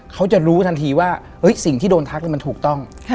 เขาจะรู้ทันทีว่าสิ่งที่โดนทักมันถูกต้อง